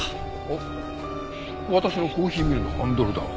あっ私のコーヒーミルのハンドルだ。